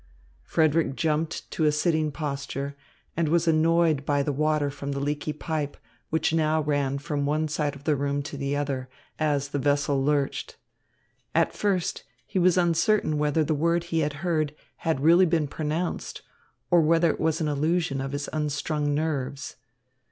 Frederick jumped to a sitting posture, and was annoyed by the water from the leaky pipe, which ran now from one side of the room to the other, as the vessel lurched. At first he was uncertain whether the word he had heard had really been pronounced, or whether it was an illusion of his unstrung nerves.